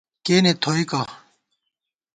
کېنےتھوئیکہ